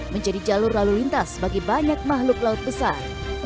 menjadi jalur lalu lintas bagi banyak makhluk laut besar